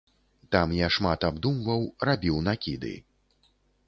Там я шмат абдумваў, рабіў накіды.